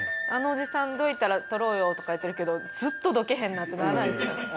「あのおじさんどいたら撮ろうよ」とか言ってるけどずっとどけへんなってならないですかね。